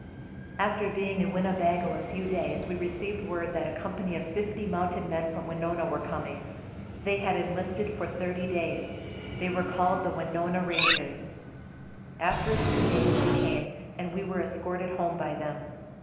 After being in Winnebago a few days we received word that a company of fifty mounted men from Winona were coming. They had enlisted for thirty days. They were called the Winona Rangers. After a few days they came and we were escorted home by them.